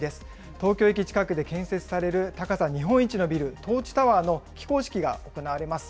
東京駅近くで建設される高さ日本一のビル、トーチタワーの起工式が行われます。